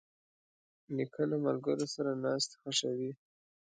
نیکه له ملګرو سره ناستې خوښوي.